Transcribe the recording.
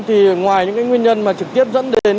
thì ngoài những nguyên nhân mà trực tiếp dẫn đến